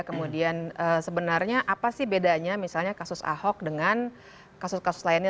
kemudian sebenarnya apa sih bedanya misalnya kasus ahok dengan kasus kasus lainnya